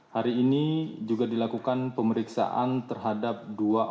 hari ini juga dilakukan pemeriksaan terhadap dua orang